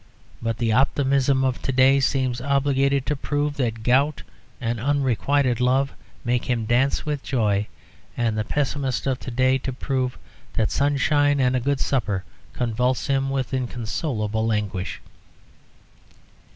But the optimist of to day seems obliged to prove that gout and unrequited love make him dance with joy, and the pessimist of to day to prove that sunshine and a good supper convulse him with inconsolable anguish.